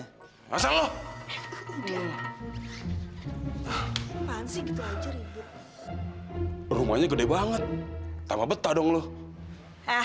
hai masalah udah panci gitu aja ribet rumahnya gede banget tambah betah dong loh ah